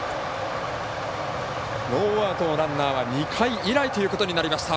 ノーアウトのランナーは２回以来ということになりました。